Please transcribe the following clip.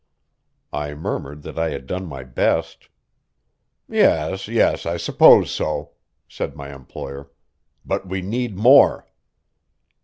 I murmured that I had done my best. "Yes, yes; I suppose so," said my employer. "But we need more."